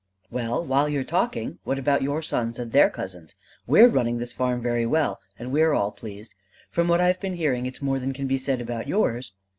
"Well, while you're talking, what about your sons and their cousins? We're running this farm very well, and we're all pleased. From what I have been hearing, it's more than can be said about yours."